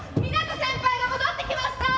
湊斗先輩が戻ってきました！